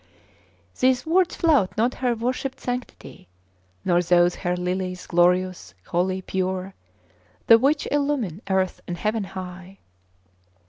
These words flout not Her worshipped sanctity, Nor those Her lilies, glorious, holy, pure, The which illumine earth and heaven high!